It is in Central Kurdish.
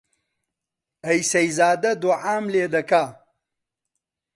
ئەی سەیزادە دووعام لێ دەکا